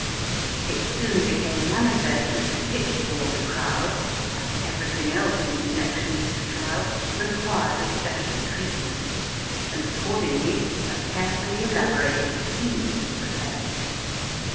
It soon became manifest that the Tichborne crowd, like everything else in connection with the trial, required especial treatment, and accordingly a carefully elaborated scheme was prepared.